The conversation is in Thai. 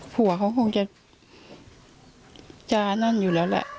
ผัวเขาคงจะจานั่นอยู่แล้วแหละ